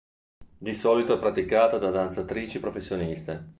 Di solito è praticata da danzatrici professioniste.